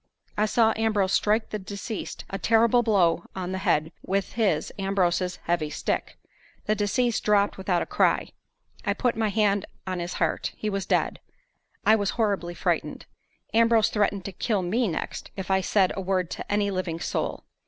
I saw Ambrose strike the deceased a terrible blow on the head with his (Ambrose's) heavy stick. The deceased dropped without a cry. I put my hand on his heart. He was dead. I was horribly frightened. Ambrose threatened to kill me next if I said a word to any living soul.